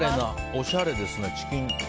おしゃれですね。